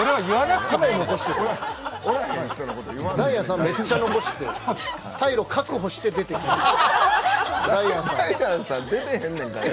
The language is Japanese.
ダイアンさん、めっちゃ残して退路確保して出てきました。